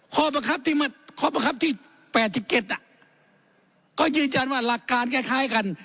ข้อประคับที่๘๗น่ะก็ยืนยันว่าหลักการคล้ายกัน